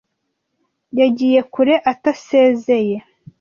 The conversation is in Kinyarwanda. Yagiye kure atasezeye.